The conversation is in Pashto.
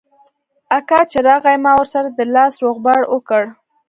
اکا چې راغى ما ورسره د لاس روغبړ وکړ.